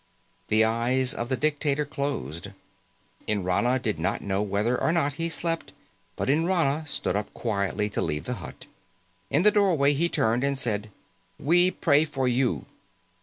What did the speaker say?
The eyes of the dictator closed. Nrana did not know whether or not he slept, but Nrana stood up quietly to leave the hut. In the doorway, he turned and said, "We pray for you."